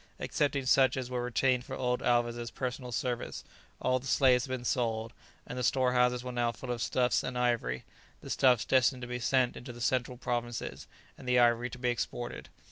Excepting such as were retained for old Alvez' personal service, all the slaves had been sold, and the storehouses were now full of stuffs and ivory, the stuffs destined to be sent into the central provinces and the ivory to be exported.